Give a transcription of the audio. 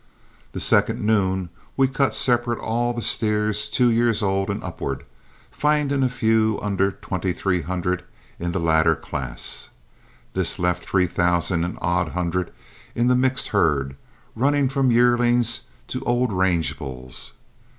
The second noon we cut separate all the steers two years old and upward, finding a few under twenty three hundred in the latter class. This left three thousand and odd hundred in the mixed herd, running from yearlings to old range bulls.